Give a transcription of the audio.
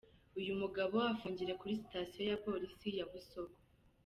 Uyu mugabo afungiye kuri sitasiyo ya polisi ya Busogo.